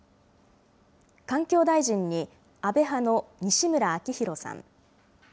環境大臣に安倍派の西村明宏さん。